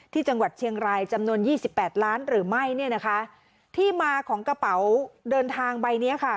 ที่จังหวัดเชียงรายจำนวนยี่สิบแปดล้านหรือไม่เนี่ยนะคะที่มาของกระเป๋าเดินทางใบเนี้ยค่ะ